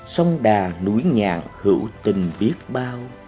sông đà núi nhạc hữu tình biết bao